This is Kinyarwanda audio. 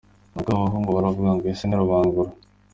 Nuko abo bahungu baravuga ngo ese ni Rubangura?